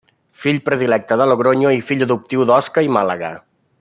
Fill predilecte de Logronyo i fill adoptiu d'Osca i Màlaga.